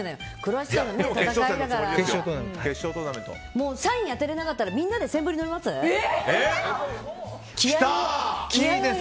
もう３位を当てられなかったらみんなでセンブリ飲みます？